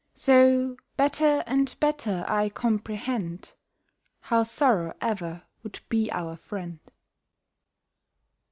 So better and better I comprehend How sorrow ever would be our friend.